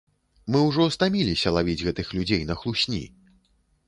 Мы ўжо стаміліся лавіць гэтых людзей на хлусні!